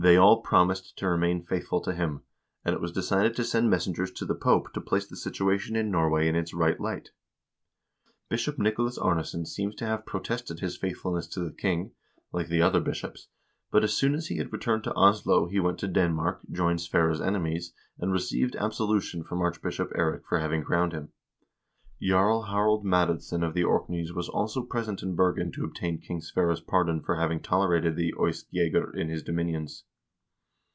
They all promised to remain faithful to him, and it was decided to send messengers to the Pope to place the situa tion in Norway in its right light. Bishop Nicolas Arnesson seems to have protested his faithfulness to the king, like the other bishops, but as soon as he had returned to Oslo, he went to Denmark, joined Sverre's enemies, and received absolution from Archbishop Eirik for having crowned him. Jarl Harald Madadsson of the Orkneys was also present in Bergen to obtain King Sverre's pardon for having tolerated the Eyskjegger in his dominions.